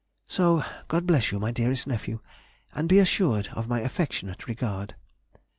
So, God bless you, my dearest nephew, and be assured of my affectionate regard. C.